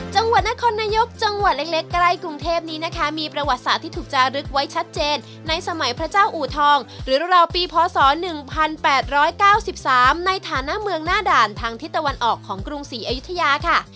จังหวัดนครนายกจังหวัดเล็กใกล้กรุงเทพนี้นะคะมีประวัติศาสตร์ที่ถูกจารึกไว้ชัดเจนในสมัยพระเจ้าอูทองหรือราวปีพศ๑๘๙๓ในฐานะเมืองหน้าด่านทางทิศตะวันออกของกรุงศรีอยุธยาค่ะ